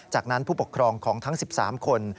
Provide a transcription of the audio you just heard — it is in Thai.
จากนั้นผู้ปกครองของทั้ง๑๓คน